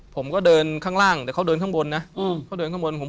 ผมก็เดินข้างล่างเดี๋ยวเขาเดินข้างบนนะ